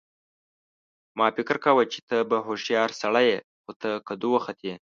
ما فکر کاوه چې ته به هوښیار سړی یې خو ته کدو وختې